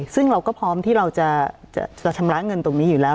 ซึ่งเราก็พร้อมที่เราจะชำระเงินตรงนี้อยู่แล้ว